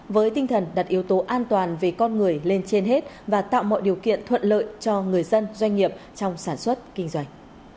với tinh thần đặt yếu tố an toàn về con người lên trên hết và tạo mọi điều kiện thuận lợi cho người dân doanh nghiệp trong sản xuất kinh doanh